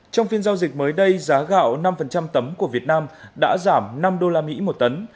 trong phiên giao dịch mới đây giá gạo năm của việt nam đã giảm ba mươi năm usd một tần